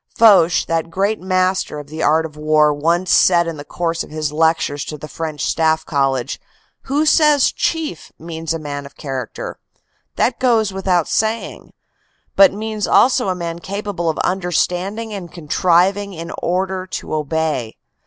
Foch, that great master of the art of war, once said in the course of his lectures to the French Staff College : "Who says Chief means a man of character; that goes without saying; but means also a man capable of understanding and contriving in order to obey."